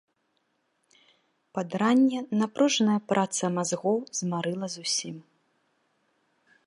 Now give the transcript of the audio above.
Пад ранне напружная праца мазгоў змарыла зусім.